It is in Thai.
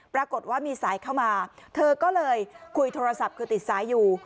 ปรากฏว่ามีสายเข้ามาเธอก็เลยคุยโทรศัพท์คือติดสายอยู่